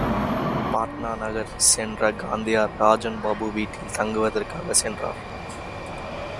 பாட்னா நகர் சென்ற காந்தியார், ராஜன் பாபு வீட்டில் தங்குவதற்காக சென்றார்.